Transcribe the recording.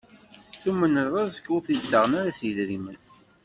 Tumen rrezg ur t-id-ttaɣen ara s yidrimen.